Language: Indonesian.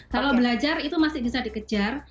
kalau belajar itu masih bisa dikejar